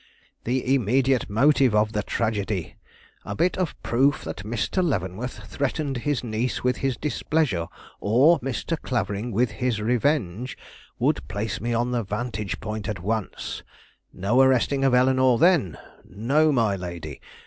"The immediate motive of the tragedy; a bit of proof that Mr. Leavenworth threatened his niece with his displeasure, or Mr. Clavering with his revenge, would place me on the vantage point at once; no arresting of Eleanore then! No, my lady!